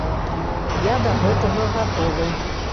Я да гэтага гатовы.